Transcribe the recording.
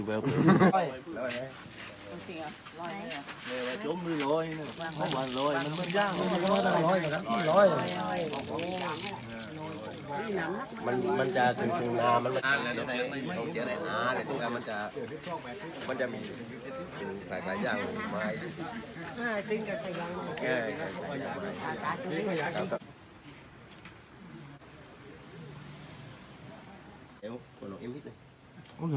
น้ำปลาบึกกับซ่าหมกปลาร่า